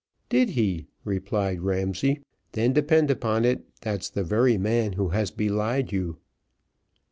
"Did he?" replied Ramsay. "Then depend upon it, that's the very man who has belied you."